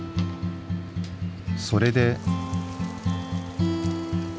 それで。